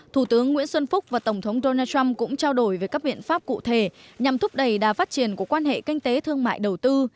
thủ tướng nguyễn xuân phúc và tổng thống donald trump cũng trao đổi về các biện pháp cụ thể nhằm thúc đẩy đà phát triển của quan hệ kinh tế thương mại đầu tư